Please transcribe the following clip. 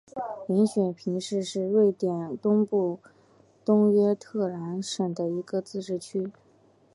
林雪平市是瑞典东南部东约特兰省的一个自治市。